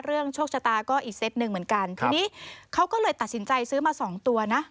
โชคชะตาก็อีกเซตหนึ่งเหมือนกันทีนี้เขาก็เลยตัดสินใจซื้อมาสองตัวนะ